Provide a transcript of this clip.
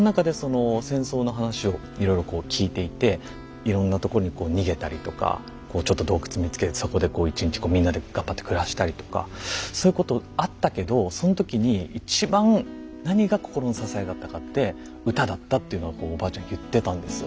いろんなとこにこう逃げたりとかちょっと洞窟見つけてそこでこう一日みんなで頑張って暮らしたりとかそういうことあったけどその時に一番何が心の支えだったかって歌だったっていうのはこうおばあちゃん言ってたんですよ。